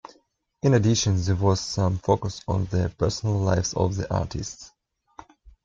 In addition, there was some focus on the personal lives of the artists.